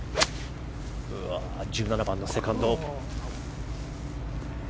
１７番のセカンド。